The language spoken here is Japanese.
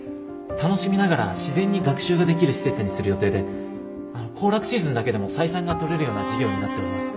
楽しみながら自然に学習ができる施設にする予定で行楽シーズンだけでも採算が取れるような事業になっております。